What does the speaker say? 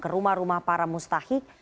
ke rumah rumah para mustahik